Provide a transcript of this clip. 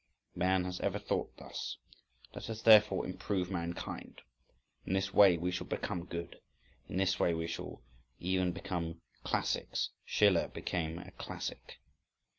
man has ever thought thus. Let us therefore improve mankind!—in this way we shall become good (in this way we shall even become "classics"—Schiller became a "classic").